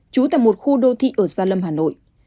trú tại một khu đô thị ở gia lâm hà nội